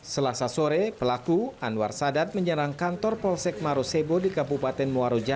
selasa sore pelaku anwar sadat menyerang kantor polsek marosebo di kabupaten muaroja